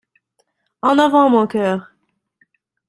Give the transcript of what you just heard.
En avant mon cœur !